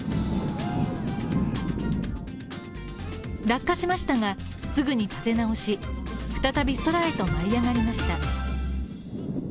落下しましたが、すぐに立て直し、再び空へと舞い上がりました。